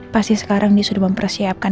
pasti sekarang ini sudah mempersiapkan